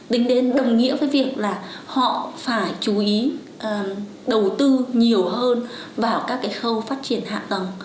tính đến đồng nghĩa với việc là họ phải chú ý đầu tư nhiều hơn vào các cái khâu phát triển hạ tầng